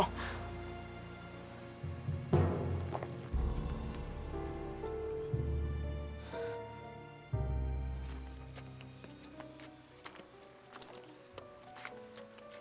tuhan aku ingin tahu